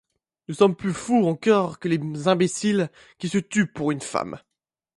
Nous sommes plus fous encore que les imbéciles qui se tuent pour une femme.